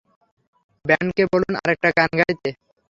ব্যান্ডকে বলুন আরেকটা গান গাইতে!